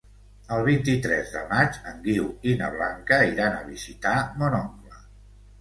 El vint-i-tres de maig en Guiu i na Blanca iran a visitar mon oncle.